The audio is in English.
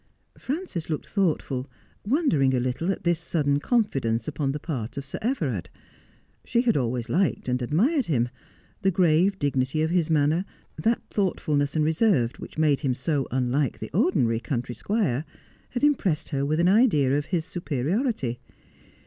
Frances looked thoughtful, wondering a little at this sudden confidence upon the part of Sir Everard. She had always liked him and admired him. The grave dignity of his manner, that thoughtfulness and reserve which made him so unlike the ordinary country squire, had impressed her with an idea of his superiority.